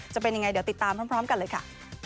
จะเป็นยังไงเดี๋ยวติดตามพร้อมกันเลยค่ะ